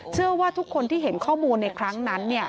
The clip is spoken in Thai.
เชื่อว่าทุกคนที่เห็นข้อมูลในครั้งนั้น